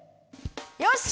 よし！